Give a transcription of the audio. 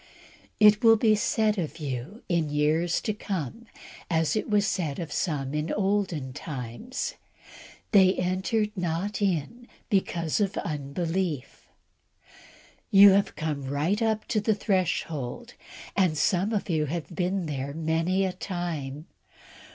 It will be said of you, in years to come, as it was said of some in olden times, "They entered not in because of unbelief." You have come right up to the threshhold, and some of you have been there many a time.